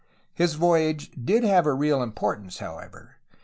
His voyage did have a real importance, however.